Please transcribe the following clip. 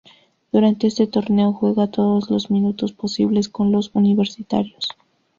Durante este torneo, juega todos los minutos posibles con los universitarios.